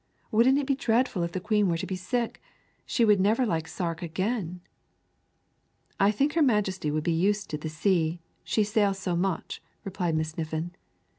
wouldn't it be dreadful if the Queen were to be sick? She would never like Sark again!" "I think her Majesty must be used to the sea, she sails so much," replied Miss Niffin.